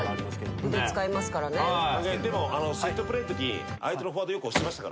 でもセットプレーのときに。